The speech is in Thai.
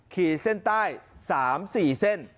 ขีดเส้นใต้๓๔เส้น